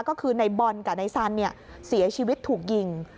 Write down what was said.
ก็คือในบอลกับนายสันเสียชีวิตถูกยิง